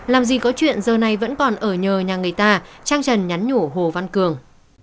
làm gì có chuyện giờ này vẫn còn ở nhờ nhà người ta trang trần nhắn nhủ hồ văn cường